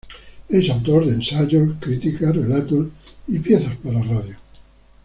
Es autor de ensayos, crítica, relatos y piezas para radio.